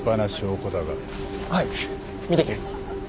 はい見てきます。